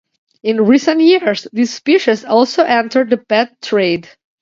In recent years, this species also entered the pet trade.